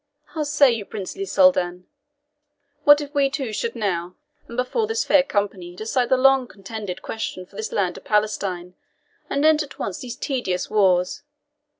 How say you, princely Soldan? What if we two should now, and before this fair company, decide the long contended question for this land of Palestine, and end at once these tedious wars?